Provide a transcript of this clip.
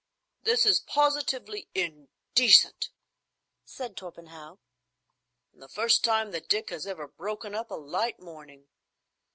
"This is positively indecent," said Torpenhow, "and the first time that Dick has ever broken up a light morning.